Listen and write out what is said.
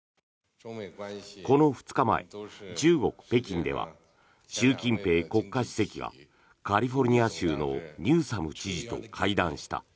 この２日前、中国・北京では習近平国家主席がカリフォルニア州のニューサム知事と会談した。